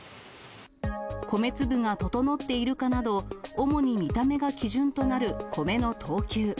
米粒が整っているかなど、主に見た目が基準となる米の等級。